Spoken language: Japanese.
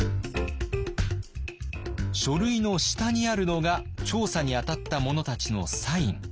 書類の下にあるのが調査に当たった者たちのサイン。